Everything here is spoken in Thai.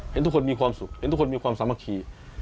เห็นทุกคนมีความสุขเห็นทุกคนมีความสามัคคี